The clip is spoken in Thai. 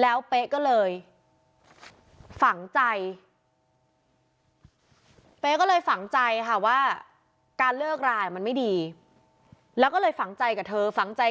แล้วเป๊ะก็เลยฝังใจ